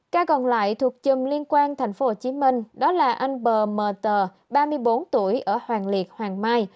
cả còn lại thuộc chùm liên quan thành phố hồ chí minh đó là anh b m t ba mươi bốn tuổi ở hoàng liệt hoàng mai